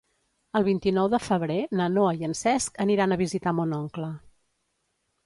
El vint-i-nou de febrer na Noa i en Cesc aniran a visitar mon oncle.